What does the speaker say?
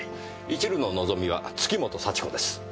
一縷の望みは月本幸子です。